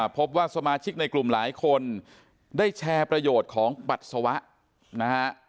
พบว่าสมาชิกในกลุ่มหลายคนได้แชร์ประโยชน์ของปัสสาวะนะฮะ